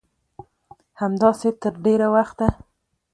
همداسې تر ډېره وخته